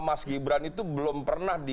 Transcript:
mas gibran itu belum pernah